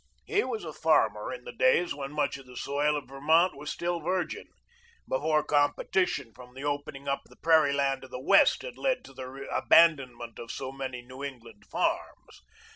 He was a farmer in the days when much of the soil of Ver mont was still virgin, before competition from the opening up of the prairie land of the West had led to the abandonment of so many New England farms.